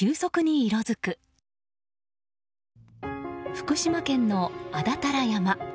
福島県の安達太良山。